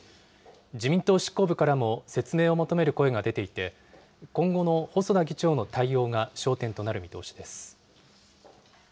自民党執行部からも説明を求める声が出ていて、今後の細田議長の対応が焦点となる見通しです。